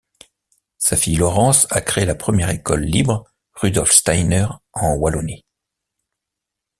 Sa fille Laurence a créé la première École Libre Rudolf Steiner en Wallonie.